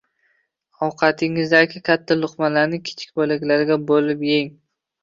Ovqatingizdagi katta luqmalarni kichik bo‘laklarga bo‘lib yeng.